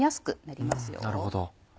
なるほど。